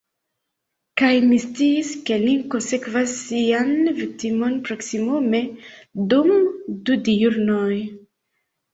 Kaj mi sciis, ke linko sekvas sian viktimon proksimume dum du diurnoj.